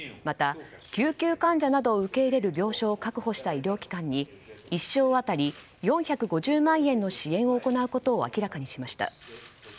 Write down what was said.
また、救急患者などを受け入れる病床を確保した医療機関に１床当たり４５０万円の支援を行うことを明らかにしました。